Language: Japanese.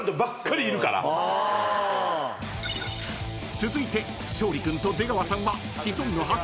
［続いて勝利君と出川さんは］